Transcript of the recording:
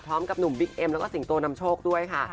พร้อมกับหนุ่มบิ๊กเอ็มแล้วก็สิงโตนำโชคด้วยค่ะ